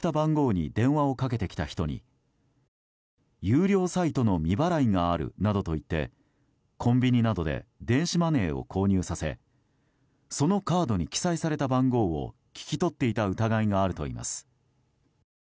ショートメールやＥメールを送り付け記載した番号に電話をかけてきた人に有料サイトの未払いがあるなどと言ってコンビニなどで電子マネーを購入させそのカードに記載された番号を聞き取っていた疑いがあるといいます。